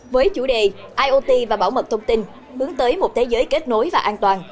với chủ đề iot và bảo mật thông tin bướng tới một thế giới kết nối và an toàn